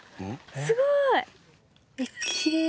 すごい。